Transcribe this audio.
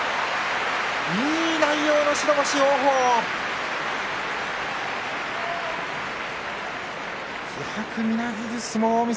いい内容の白星、王鵬の勝ち。